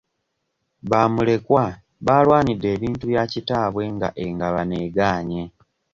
Bamulekwa baalwanidde ebintu bya kitaabwe nga engabana egaanye.